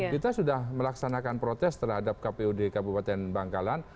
kita sudah melaksanakan protes terhadap kpud kabupaten bangkalan